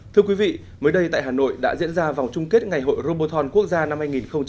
thưa quý vị mới đây tại hà nội đã diễn ra vòng chung kết ngày hội roboton quốc gia năm hai nghìn hai mươi